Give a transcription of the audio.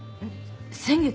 先月！？